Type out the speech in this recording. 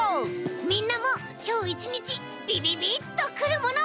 みんなもきょういちにちビビビッとくるもの。